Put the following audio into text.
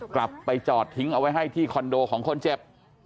กลับไปจอดทิ้งเอาไว้ให้ที่คอนโดของคนเจ็บ